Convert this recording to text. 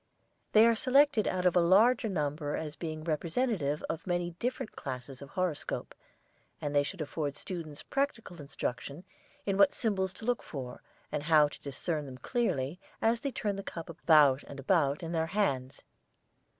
They are selected out of a larger number as being representative of many different classes of horoscope, and they should afford students practical instruction in what symbols to look for, and how to discern them clearly as they turn the cup about and about in their hands.